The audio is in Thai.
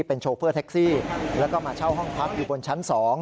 เป็นโชเฟอร์แท็กซี่แล้วก็มาเช่าห้องพักอยู่บนชั้น๒